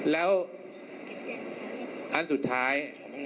แล้วอันสุดท้าย